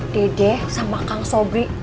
dede sama kang sobri